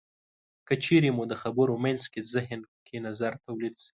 که چېرې مو د خبرو په منځ کې زهن کې نظر تولید شي.